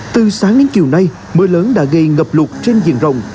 từ sáng đến chiều nay mưa lớn đã gây ngập lụt trên diện rộng